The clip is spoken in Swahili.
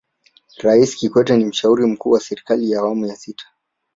raisi kikwete ni mshauri mkuu wa serikali ya awamu ya sita